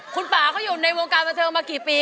คุณป่าเขาอยู่ในวงการบันเทิงมากี่ปี